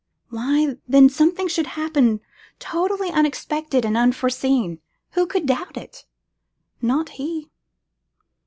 Why then something would happen totally unexpected and unforeseen. Who could doubt it? Not he!